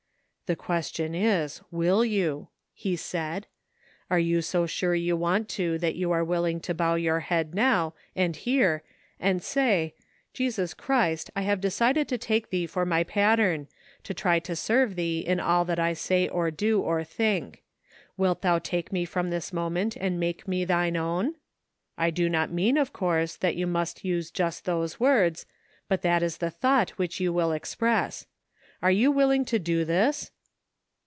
"The question is, will you? " he said. "Are you so sure you want to that you are willing to bow your head now and here, and say :' Jesus Christ, I have decided to take thee for my pat tern, to try to serve thee in all that I say or do or think. Wilt thou take me froni this moment and make me thine own ?' I do not mean, of course, that you must use just those words, but that is the thought which you will express. Are you willing to do this